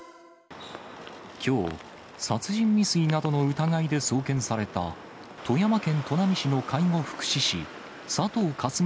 きょう、殺人未遂などの疑いで送検された、富山県砺波市の介護福祉士、佐藤果純